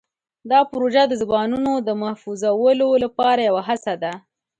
دا پروژه د زبانونو د محفوظولو لپاره یوه هڅه ده.